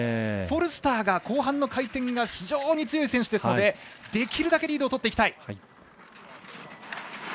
フォルスターが後半の回転が非常に強い選手ですのでできるだけリードをとっていきたい。